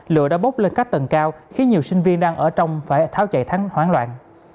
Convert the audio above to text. lửa đã bốc lên các tầng cao khiến nhiều sinh viên đang ở trong phải tháo chạy thắng hoảng loạn